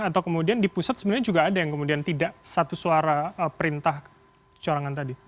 atau kemudian di pusat sebenarnya juga ada yang kemudian tidak satu suara perintah curangan tadi